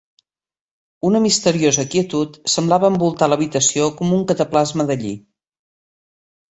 Una misteriosa quietud semblava envoltar l'habitació com un cataplasma de lli.